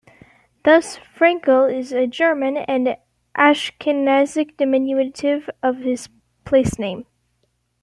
Thus Frankel is a German and Ashkenazic diminutive of this placename.